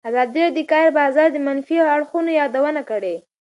ازادي راډیو د د کار بازار د منفي اړخونو یادونه کړې.